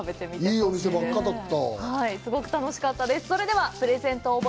いいお店ばっかりだった。